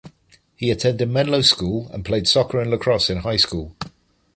He attended Menlo School and played soccer and lacrosse in high school.